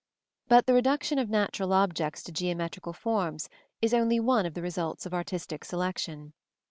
But the reduction of natural objects to geometrical forms is only one of the results of artistic selection.